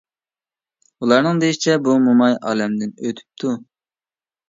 ئۇلارنىڭ دېيىشىچە بۇ موماي ئالەمدىن ئۆتۈپتۇ.